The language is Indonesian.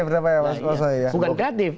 betapa ya mas bukan kreatif